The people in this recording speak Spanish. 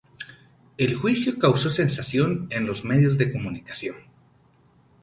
El juicio causó sensación en los medios de comunicación.